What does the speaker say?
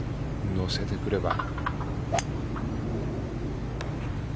乗せてくれば。